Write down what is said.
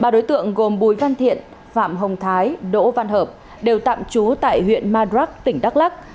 ba đối tượng gồm bùi văn thiện phạm hồng thái đỗ văn hợp đều tạm trú tại huyện madrak tỉnh đắk lắc